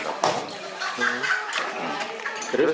pembangunan rumah yang lagi lagi